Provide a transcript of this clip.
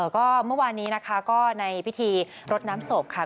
ก็เมื่อวานนี้นะคะก็ในพิธีรดน้ำศพค่ะ